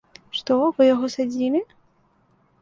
Што, вы яго садзілі?